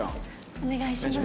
お願いします。